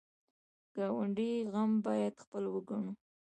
د ګاونډي غم باید خپل وګڼو